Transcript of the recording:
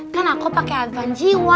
kan aku pake advan g satu